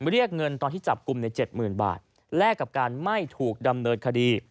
เรียกเงินตอนที่จับกลุ่มใน๗๐๐๐บาทแลกกับการไม่ถูกดำเนินคดี